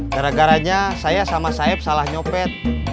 gara garanya saya sama saib salah nyopet